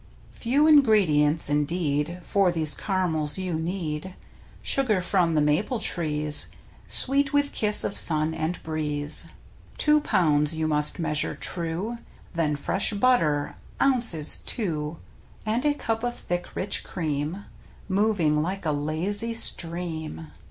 Few ingredients, indeed, For these caramels you need. Sugar from the maple trees, Sweet with kiss of sun and breeze. Two pounds you must measure true, Then fresh butter — ounces two — And a cup of tliick, rich cream. Moving like a lazy stream.